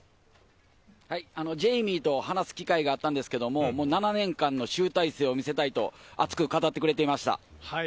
ジェイミーと話す機会があったんですけれど、７年間の集大成を見せたいと熱く語ってくれていました。